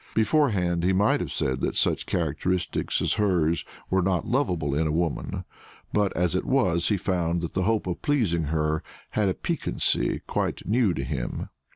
Beforehand, he might have said that such characteristics as hers were not loveable in a woman; but, as it was, he found that the hope of pleasing her had a piquancy quite new to him.